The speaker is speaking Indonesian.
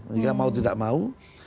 maka mau tidak mau